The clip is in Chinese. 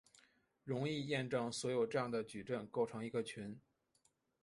容易验证所有这样的矩阵构成一个群。